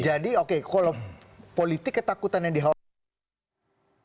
jadi oke kalau politik ketakutan yang dihawasi